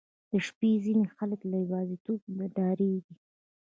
• د شپې ځینې خلک له یوازیتوبه ډاریږي.